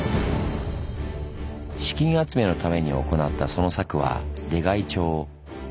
資金集めのために行ったその策は出開帳。